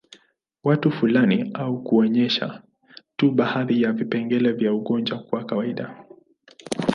Watu fulani au kuonyesha tu baadhi ya vipengele vya ugonjwa wa kawaida